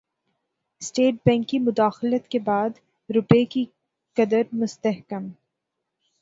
state bank کی مداخلت کے بعد روپے کی قدر مستحکم